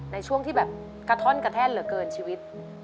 ในช่วงที่แบบกระท่อนกระแท่นเหลือเกินชีวิต